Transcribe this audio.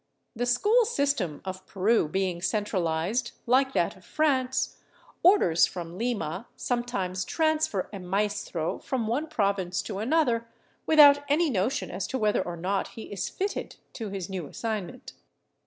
The school system of Peru being centralized, like that of France, orders from Lima sometimes transfer a maestro from one province to another with out any notion as to whether or not he is fitted to his new assignment.